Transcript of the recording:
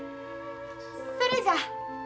それじゃあ。